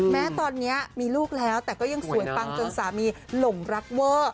แม้ตอนนี้มีลูกแล้วแต่ก็ยังสวยปังจนสามีหลงรักเวอร์